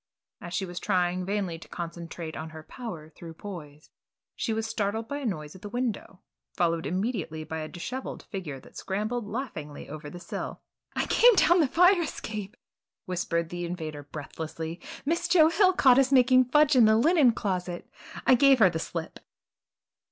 As she sat trying vainly to concentrate on her "Power Through Poise," she was startled by a noise at the window, followed immediately by a dishevelled figure that scrambled laughingly over the sill. "I came down the fire escape!" whispered the invader breathlessly, "Miss Joe Hill caught us making fudge in the linen closet, and I gave her the slip."